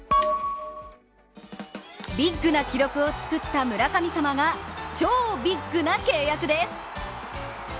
ビッグな記録を作った村神様が超ビッグな契約です。